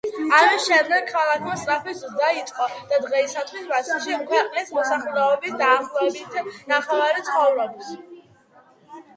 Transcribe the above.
ამის შემდეგ ქალაქმა სწრაფი ზრდა იწყო და დღეისათვის მასში ქვეყნის მოსახლეობის დაახლოებით ნახევარი ცხოვრობს.